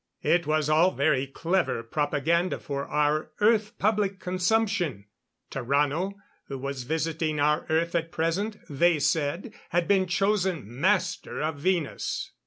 It was all very clever propaganda for our Earth public consumption. Tarrano who was visiting our Earth at present, they said had been chosen Master of Venus.